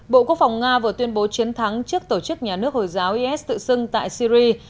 bộ quốc phòng nga vừa tuyên bố chiến thắng trước tổ chức nhà nước hồi giáo is tự xưng tại syri